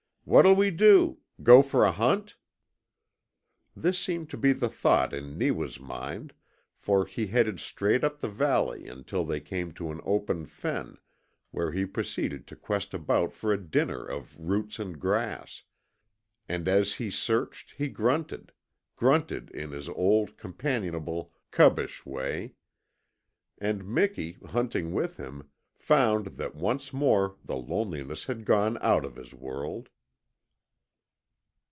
"What'll we do? Go for a hunt?" This seemed to be the thought in Neewa's mind, for he headed straight up the valley until they came to an open fen where he proceeded to quest about for a dinner of roots and grass; and as he searched he grunted grunted in his old, companionable, cubbish way. And Miki, hunting with him, found that once more the loneliness had gone out of his world.